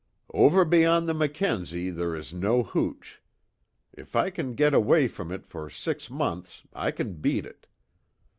"Over beyond the Mackenzie there is no hooch. If I can get away from it for six months I can beat it.